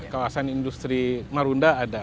kawasan industri marunda ada